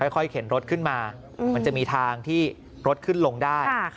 ค่อยเข็นรถขึ้นมามันจะมีทางที่รถขึ้นลงได้